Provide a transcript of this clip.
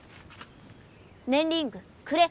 ねんリングくれ。